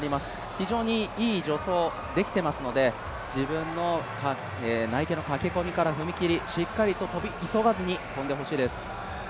非常にいい助走ができていますので、自分の内傾の駆け込みから踏み切り、しっかりと跳び急がずに跳んでほしいです。